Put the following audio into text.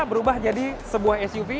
berubah jadi sebuah suv